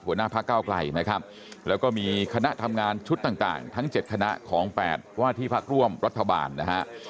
หัวหน้าพักเก้าไกลนะครับแล้วก็มีคณะทำงานชุดต่างทั้ง๗คณะของ๘ว่าที่พักร่วมรัฐบาลนะฮะ